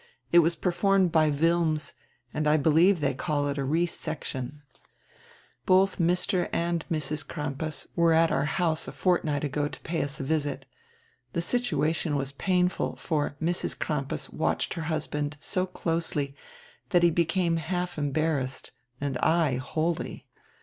It was performed by Wilms and I believe they call it resection. "Both Mr. and Mrs. Crampas were at our house a fort night ago to pay us a visit. The situation was painful, for Mrs. Crampas watched her husband so closely that he became half embarrassed, and I wholly.